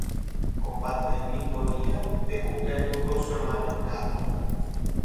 Comparte el mismo día de cumpleaños con su hermana Carol.